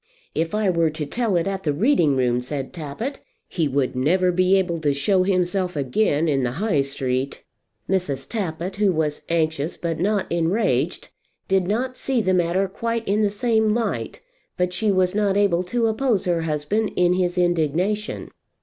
"If I were to tell it at the reading room," said Tappitt, "he would never be able to show himself again in the High Street." Mrs. Tappitt, who was anxious but not enraged, did not see the matter quite in the same light, but she was not able to oppose her husband in his indignation.